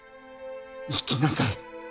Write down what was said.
生きなさい。